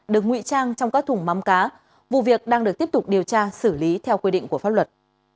được nguy trang trong các thùng mắm cá vụ việc đang được tiếp tục điều tra xử lý theo quy định của pháp luật